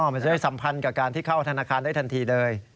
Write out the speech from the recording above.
มันจะได้สัมพันธ์กับการที่เข้าธนาคารได้ทันทีเลย